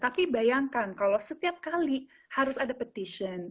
tapi bayangkan kalau setiap kali harus ada petisian